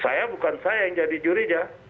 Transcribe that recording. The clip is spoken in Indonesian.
saya bukan saya yang jadi juri ya